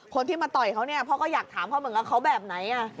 คนที่มาต่อยเขาเนี่ยพ่อก็อยากถามเขาแบบไหนอ่ะ